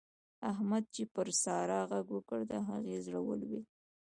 احمد چې پر سارا غږ وکړ؛ د هغې زړه ولوېد.